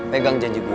pegang janji gue